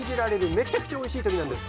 めちゃくちゃおいしい鶏なんです。